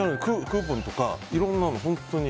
クーポンとかいろんなの。